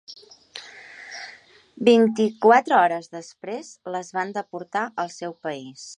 Vint-i-quatre hores després les van deportar al seu país.